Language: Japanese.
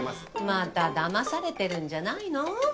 まただまされてるんじゃないの？